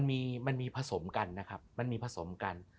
มันมีผสมกันนะครับมันมีผสมกัน